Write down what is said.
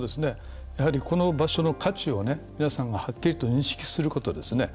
やはり、この場所の価値を皆さんがはっきりと認識することですね。